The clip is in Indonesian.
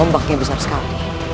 pembangkang yang besar sekali